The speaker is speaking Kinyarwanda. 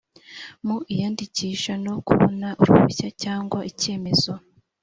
mu iyandikisha no kubona uruhushya cyangwa icyemezo